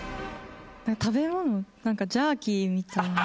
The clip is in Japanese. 食べ物なんかジャーキーみたいな。